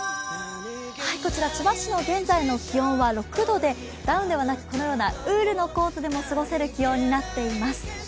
こちら千葉市の現在の気温は６度で、ダウンではなくこのようなウールのコートでも過ごせる気温になっています。